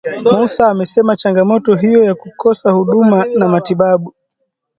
Musa amesema changamoto hiyo ya kukosa huduma na matibabu